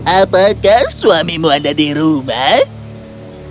apakah suamimu ada di rumah